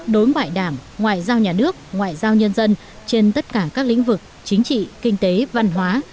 đối ngoại đảng ngoại giao nhà nước ngoại giao nhân dân trên tất cả các lĩnh vực chính trị kinh tế văn hóa